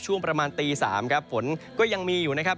ช่วงประมาณตี๓ครับฝนก็ยังมีอยู่นะครับ